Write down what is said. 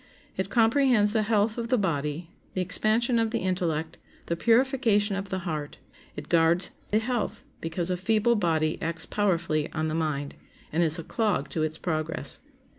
It comprehends the health of the body, the expansion of the intellect, the purification of the heart. It guards the health, because a feeble body acts powerfully on the mind, and is a clog to its progress.